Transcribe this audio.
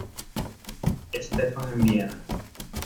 Stephan en Viena.